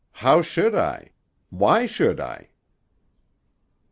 How should I? Why should I?"